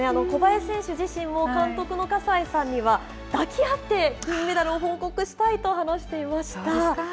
小林選手自身も、監督の葛西さんには抱き合って金メダルの報告をしたいと話していました。